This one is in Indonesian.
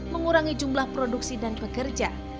mengurangi jumlah produksi dan pekerja